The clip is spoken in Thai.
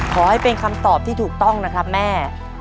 ขอให้เป็นคำตอบที่ถูกต้องนะครับแม่